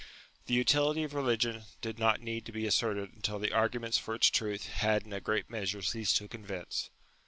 The utility of religion did not need to be asserted until the arguments for its truth had in a great measure ceased to convince.